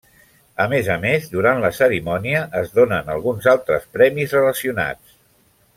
A més a més durant la cerimònia es donen alguns altres premis relacionats.